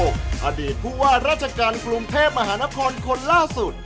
อดีตผู้ว่าราชการกรุงเทพมหานครคนล่าสุด